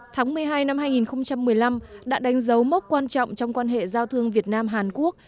tháng một mươi hai năm hai nghìn một mươi năm đã đánh dấu mốc quan trọng trong quan hệ giao thương việt nam hàn quốc